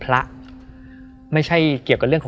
เพื่อที่จะให้แก้วเนี่ยหลอกลวงเค